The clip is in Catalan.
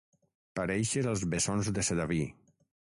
Parèixer els bessons de Sedaví.